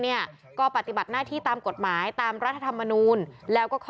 เนี่ยก็ปฏิบัติหน้าที่ตามกฎหมายตามรัฐธรรมนูลแล้วก็ข้อ